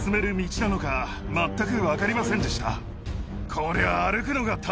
こりゃ。